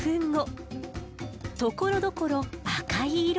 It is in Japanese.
ところどころ赤い色も。